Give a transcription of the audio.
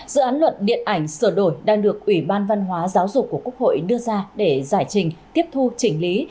dự án luật điện ảnh sửa đổi đang được ủy ban văn hóa giáo dục của quốc hội đưa ra để giải trình tiếp thu chỉnh lý